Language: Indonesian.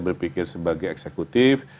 berpikir sebagai eksekutif